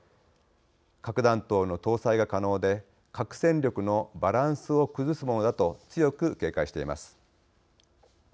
核弾頭の搭載が可能で核戦力のバランスを崩すものだと強く警戒しています。